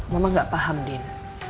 mama gak paham din